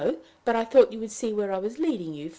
But I thought you would see where I was leading you.